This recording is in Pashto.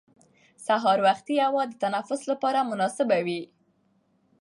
سهار وختي هوا د تنفس لپاره مناسبه وي